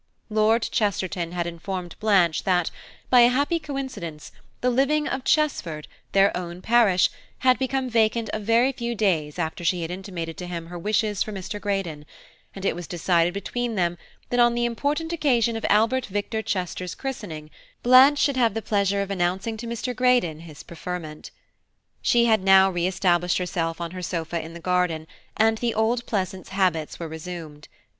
Lord Chesterton had informed Blanche that, by a happy coincidence, the living of Chesford, their own parish, had become vacant a very few days after she had intimated to him her wishes for Mr. Greydon; and it was decided between them that on the important occasion of Albert Victor Chester's christening, Blanche should have the pleasure of announcing to Mr. Greydon his preferment. She had now re established herself on her sofa in the garden, and the old Pleasance habits were resumed.